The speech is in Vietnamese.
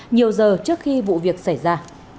nhiều giờ trước khi vụ việc xảy ra